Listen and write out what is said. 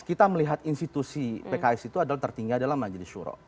kita melihat institusi pks itu adalah tertinggi adalah majelis syuroh